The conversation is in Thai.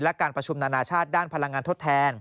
และการประชุมนานาชาติด้านพลังงานทดแทน